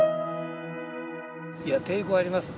いや抵抗あります。